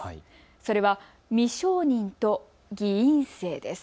それは未承認と偽陽性です。